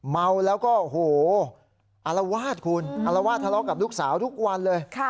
เมาแล้วก็โอ้โหอารวาสคุณอารวาสทะเลาะกับลูกสาวทุกวันเลย